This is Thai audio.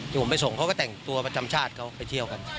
ผมไปส่งเขาก็แต่งตัวประจำชาติเขาไปเที่ยวกัน